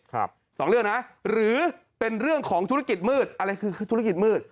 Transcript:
สองเรื่องนะหรือเป็นเรื่องของธุรกิจมืดอะไรคือธุรกิจมืด